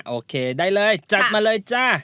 โอเคได้เลยจัดมาเลยจ้า